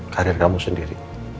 karir kamu sendiri